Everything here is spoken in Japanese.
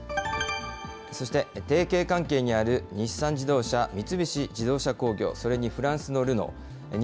そして、提携関係にある日産自動車、三菱自動車工業、それにフランスのルノー。